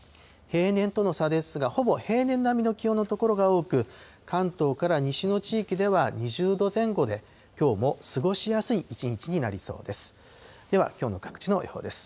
平年との差ですが、ほぼ平年並みの気温の所が多く、関東から西の地域では２０度前後で、きょうも過ごしやすい一日になりそうです。